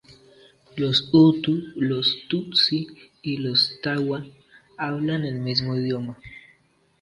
Los hutu, los tutsi y los twa hablan el mismo idioma.